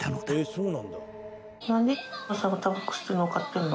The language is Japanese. そうなんだ。